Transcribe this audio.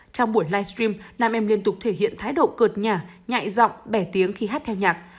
trong buổi livestream nam em liên tục thể hiện thái độ cợt nhải giọng bẻ tiếng khi hát theo nhạc